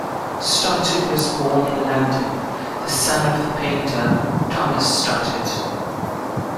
Stothard was born in London, the son of the painter, Thomas Stothard.